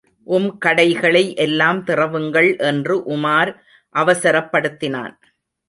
உம் கடைகளை எல்லாம் திறவுங்கள் என்று உமார் அவசரப் படுத்தினான்.